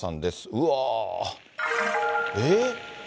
うわー、えっ？